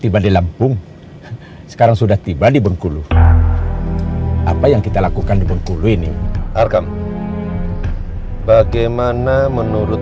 bunda selalu dhonkung that means that i say baffah a lot